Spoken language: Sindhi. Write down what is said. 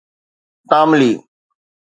تاملي